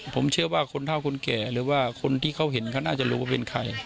ผมเชื่อว่าคนเท่าคนแก่หรือว่าคนที่เขาเห็นเขาน่าจะรู้ว่าเป็นใคร